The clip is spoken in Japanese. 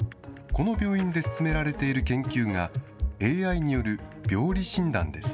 この病院で進められている研究が、ＡＩによる病理診断です。